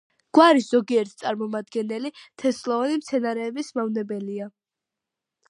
გვარის ზოგიერთი წარმომადგენელი თესლოვანი მცენარეების მავნებელია.